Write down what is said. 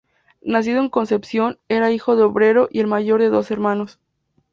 Nacido en Concepción, era hijo de obrero y el mayor de doce hermanos.